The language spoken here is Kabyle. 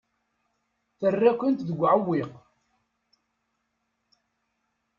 Terra-kent deg uɛewwiq.